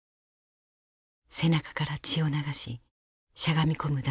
背中から血を流ししゃがみ込む男性。